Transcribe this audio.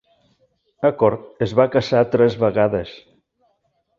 Acord es va casar tres vegades.